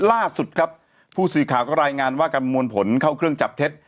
ล่าสุดครับผู้สื่อข่าวก็รายงานว่ากระมวลผลเข้าเครื่องจับเท็จ